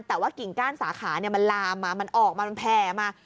แต่ว่ากิ่งก้านสาขามันลามมามันออกมามันแผ่มา